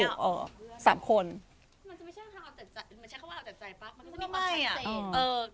มันจะไม่ใช่ว่าเอาแต่ใจปั๊บมันก็จะมีความชัดเศษ